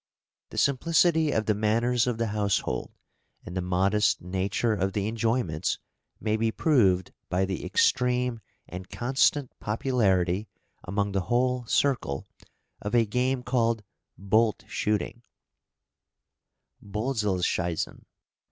The simplicity of the manners of the household, and the modest nature of the enjoyments, may be proved by the extreme and constant popularity among the whole circle of a game called "bolt shooting" (bölzelschiessen).